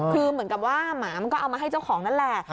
คือเหมือนกับว่าหมามันก็เอามาให้เจ้าของนั่นแหละ